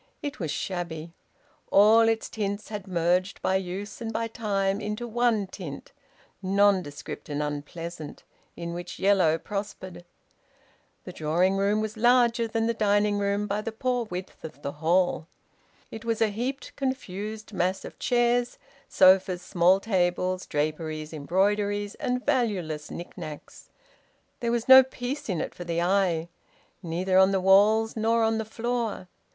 It was shabby. All its tints had merged by use and by time into one tint, nondescript and unpleasant, in which yellow prospered. The drawing room was larger than the dining room by the poor width of the hall. It was a heaped, confused mass of chairs, sofas, small tables, draperies, embroideries, and valueless knick knacks. There was no peace in it for the eye, neither on the walls nor on the floor.